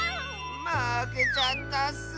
まけちゃったッス。